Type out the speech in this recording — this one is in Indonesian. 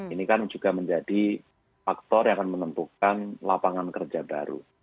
ini kan juga menjadi faktor yang akan menentukan lapangan kerja baru